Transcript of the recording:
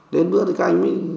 đến bữa thì các anh mới